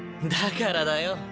だからだよ。